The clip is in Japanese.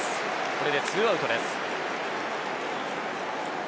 これでツーアウトです。